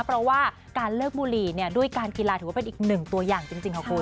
เพราะว่าการเลิกบุหรี่ด้วยการกีฬาถือว่าเป็นอีกหนึ่งตัวอย่างจริงค่ะคุณ